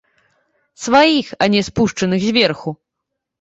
Сваіх, а не спушчаных зверху!